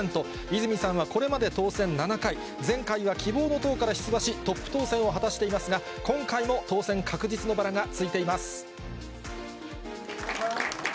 泉さんはこれまで当選７回、前回は希望の党から出馬し、トップ当選を果たしていますが、今回も当選確実のバラがついています。